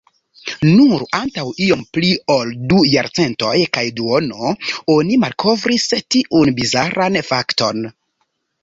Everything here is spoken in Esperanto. Nur antaŭ iom pli ol du jarcentoj kaj duono, oni malkovris tiun bizaran fakton.